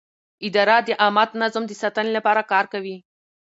اداره د عامه نظم د ساتنې لپاره کار کوي.